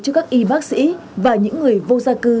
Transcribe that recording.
cho các y bác sĩ và những người vô gia cư